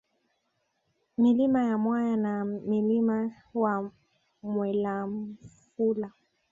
Milima ya Mwaya na Mlima wa Mwelamfula